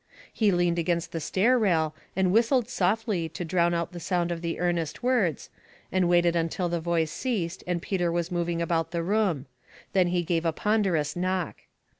He leaned against the stair rail and whistled softly to drown the sound of the earnest words, and waited until the voice ceased and Peter was moving about the room ; then he gave a ponderous knock.